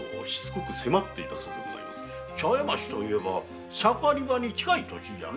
茶屋町といえば盛り場に近い土地じゃの。